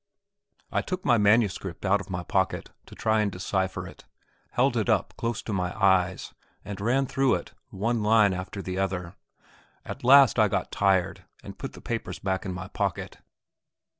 I took my manuscript out of my pocket to try and decipher it, held it close up to my eyes, and ran through it, one line after the other. At last I got tired, and put the papers back in my pocket.